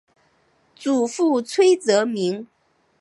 祖父崔则明。